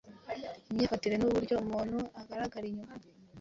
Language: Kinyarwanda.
imyifatire n’uburyo umuntu agaragara inyuma